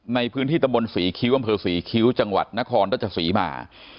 ในพื้นที่ตะบนศรีคิ้วอำเภอศรีคิ้วจังหวัดนครราชศรีมา